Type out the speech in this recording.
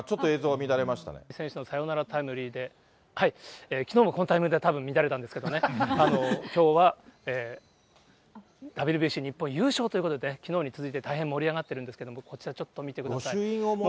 選手のサヨナラタイムリーで、きのうもこのタイミングでたぶん乱れたんですけどね、きょうはＷＢＣ日本優勝ということで、きのうに続いて大変盛り上がってるんですけど、こちら、ちょっと見てください。